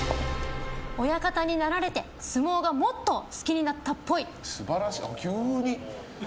親方になられて相撲がもっと好きになったっぽい。